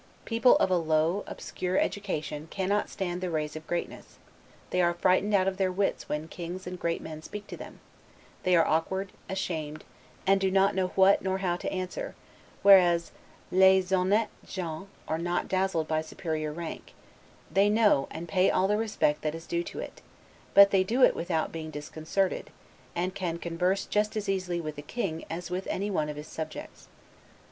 People of a low, obscure education cannot stand the rays of greatness; they are frightened out of their wits when kings and great men speak to them; they are awkward, ashamed, and do not know what nor how to answer; whereas, 'les honnetes gens' are not dazzled by superior rank: they know, and pay all the respect that is due to it; but they do it without being disconcerted; and can converse just as easily with a king as with any one of his subjects.